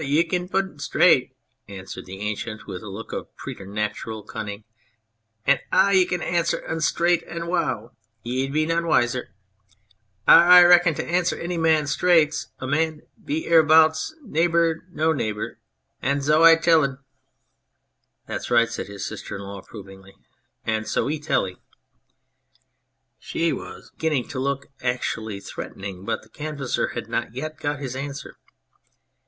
" Ar ! Ye can putt un straaght," answered the Ancient, with a look of preternatural cunning, " and ah can answer un straaght, an wow ! ye'd be none wiser. ... Ar ! reckon t' answer any man straaght 's any man there be erebouts, naabur, nor no naabur ! And zo I tell un." " That's right," said his sister in law, approvingly, " and so e tell 'ee !" She was beginning to look actually threatening, but the Canvasser had not yet got his answer.